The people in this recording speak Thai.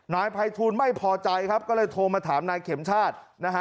นายภัยทูลไม่พอใจครับก็เลยโทรมาถามนายเข็มชาตินะฮะ